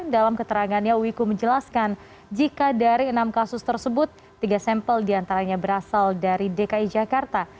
dalam keterangannya wiku menjelaskan jika dari enam kasus tersebut tiga sampel diantaranya berasal dari dki jakarta